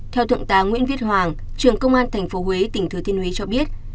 theo thượng tá nguyễn viết hoàng trường công an tp huế tỉnh thừa thiên huế cho biết